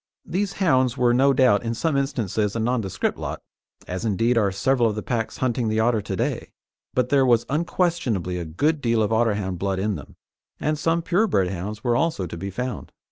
These hounds were no doubt in some instances a nondescript lot, as, indeed, are several of the packs hunting the otter to day, but there was unquestionably a good deal of Otterhound blood in them, and some pure bred hounds were also to be found.